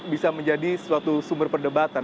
bisa menjadi suatu sumber perdebatan